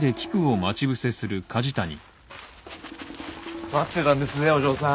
待ってたんですぜお嬢さん。